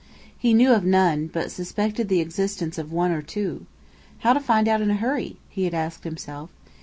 He knew of none, but suspected the existence of one or two. How to find out in a hurry? he had asked himself.